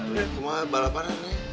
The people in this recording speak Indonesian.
udah cuma balapan nih